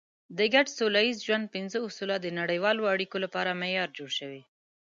د ګډ سوله ییز ژوند پنځه اصول د نړیوالو اړیکو لپاره معیار جوړ شوی.